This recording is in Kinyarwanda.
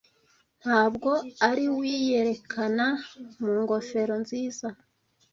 ntabwo ariwiyerekana mu ngofero nziza